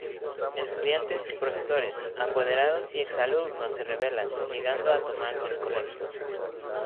Estudiantes, profesores, apoderados y ex-alumnos se rebelan, llegando a tomarse el colegio.